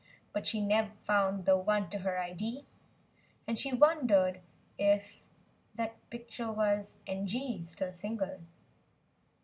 But she never found the one to her i dee— And she wondered if that picture was n. g.— Still single.